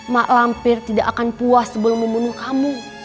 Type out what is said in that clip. mak lampir tidak akan puas sebelum membunuh kamu